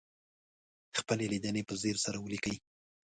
خپلې لیدنې په ځیر سره ولیکئ.